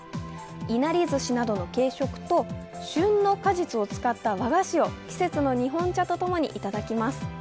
いなりずしなどの軽食と旬の果実を使った和菓子を季節の日本茶とともにいただきます。